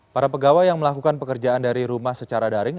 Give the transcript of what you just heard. para pegawai yang melakukan pekerjaan dari rumah secara daring